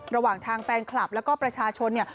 ระหว่างทางแฟนคลับแล้วก็ประชาชนเนี่ย